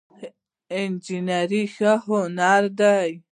انجينري ښه هنر دی